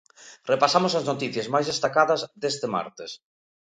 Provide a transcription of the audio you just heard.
Repasamos as noticias máis destacadas deste martes.